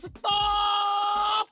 ya allah ya rabbi